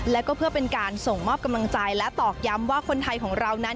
แล้วก็เพื่อเป็นการส่งมอบกำลังใจและตอกย้ำว่าคนไทยของเรานั้น